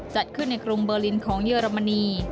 จัดขึ้นในกรุงเบอร์ลินของเยอรมนี